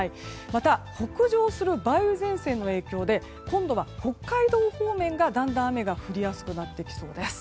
また北上する梅雨前線の影響で今度は北海道方面がだんだん雨が降りやすくなってきそうです。